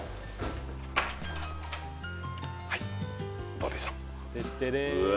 はいどうでしょううわ